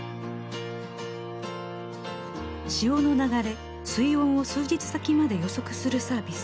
潮の流れ水温を数日先まで予測するサービス。